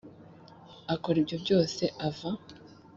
Akora ibyo byose ava